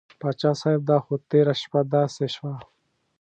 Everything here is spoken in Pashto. پاچا صاحب دا خو تېره شپه داسې شوه.